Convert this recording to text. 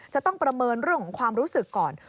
จะต้องประเมินเรื่องของความรู้สึกก่อน